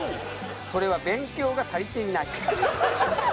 「それは勉強が足りていない」ハハハハ！